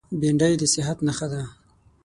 بېنډۍ د صحت نښه ده